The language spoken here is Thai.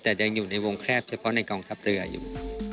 แต่ยังอยู่ในวงแคบเฉพาะในกองทัพเรืออยู่